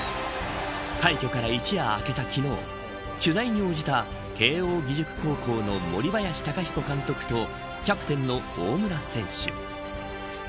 快挙から一夜明けた昨日取材に応じた慶応義塾高校の森林貴彦監督とキャプテンの大村選手。